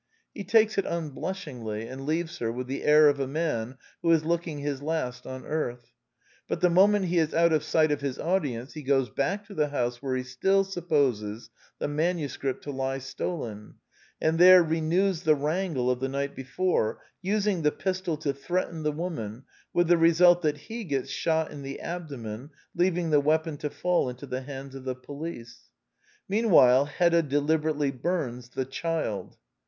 He takes it unblushingly, and leaves her with the air of a man who is looking his last on earth. But the moment he is out of sight of his audience, he goes back to the house where he still supposes the manuscript to lie stolen, and there renews the wrangle of the night before, using the pistol to threaten the woman, with the result that he gets shot in the abdomen, leaving the weapon to fall into the hands of the police. Meanwhile Hedda deliberately bums " the child."